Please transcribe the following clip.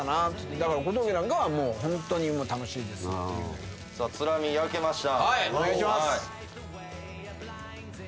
だから小峠なんかは「ホントに楽しいです」って。ツラミ焼けました。